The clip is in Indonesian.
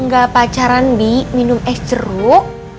nggak pacaran bi minum es jeruk